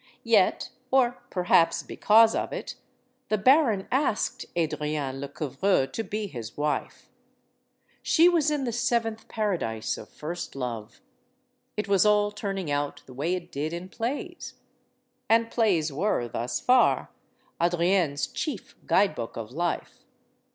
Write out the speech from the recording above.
Yet or perhaps because of it the baron asked Adrienne Lecouvreur to be his wife. She was in the seventh paradise of first love. It was all turning out the way it did in plays. And plays were, thus far, Adrienne* s chief guidebook of life.